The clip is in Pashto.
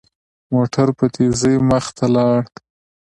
موټر په تېزۍ مخ ته لاړ.